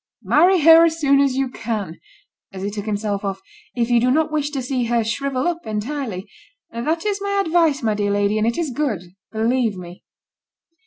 "Marry her as soon as you can," said he, as he took himself off, "if you do not wish to see her shrivel up entirely. That is my advice, my dear lady, and it is good, believe me."